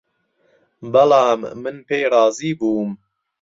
بەڵام من پێی رازی بووم